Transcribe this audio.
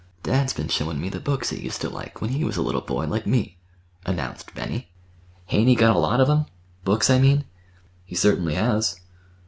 "Dad's been showin' me the books he used ter like when he was a little boy like me," announced Benny. "Hain't he got a lot of 'em?—books, I mean." "He certainly has."